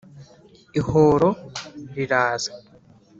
Ihoro riraza.